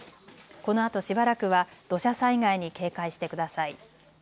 このあとしばらくは土砂災害に警戒してください。